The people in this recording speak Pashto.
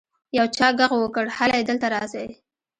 يو چا ږغ وکړ هلئ دلته راسئ.